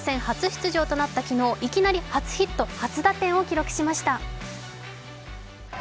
初出場となった昨日、いきなり初ヒット・初打点を記録しました。